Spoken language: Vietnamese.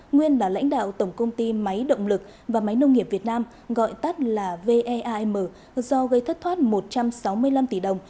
nguyên là lãnh đạo tổng công ty máy động lực và máy nông nghiệp việt nam gọi tắt là veam do gây thất thoát một trăm sáu mươi năm tỷ đồng